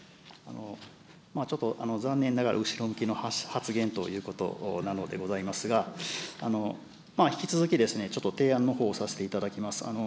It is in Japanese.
ちょっと残念ながら、後ろ向きの発言ということなのでございますが、引き続き、ちょっと提案のほう、させていただきます。